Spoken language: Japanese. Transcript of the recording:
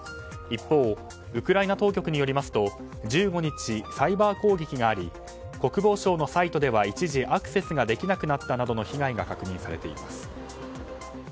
一方ウクライナ当局によりますと１５日、サイバー攻撃があり国防省のサイトでは一時アクセスができなくなったなどの被害が確認されています。